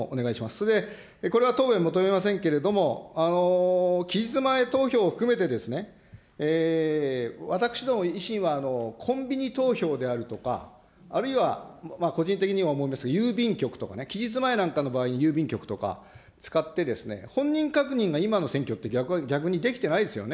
それで、これは答弁求めませんけれども、期日前投票を含めて、私ども維新は、コンビニ投票であるとか、あるいは個人的には思うんですが、郵便局とかね、期日前なんかの場合、郵便局とか使って、本人確認が今の選挙って逆にできてないですよね。